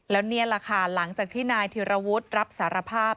แล้วนี่แหละค่ะหลังจากที่นายธิรวุฒิรับสารภาพ